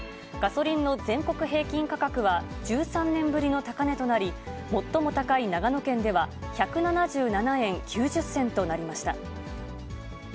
ガソリンの全国平均価格は、１３年ぶりの高値となり、最も高い長野県では、１７７円９０銭となりました。